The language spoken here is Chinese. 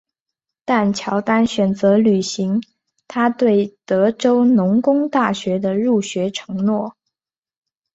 但乔丹选择履行他对德州农工大学的入学承诺。